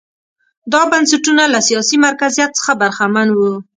دا بنسټونه له سیاسي مرکزیت څخه برخمن وو.